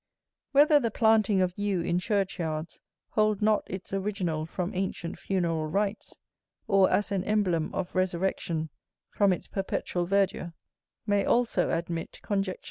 Whether the planting of yew in churchyards hold not its original from ancient funeral rites, or as an emblem of resurrection, from its perpetual verdure, may also admit conjecture.